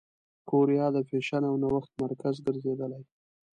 کوریا د فېشن او نوښت مرکز ګرځېدلې.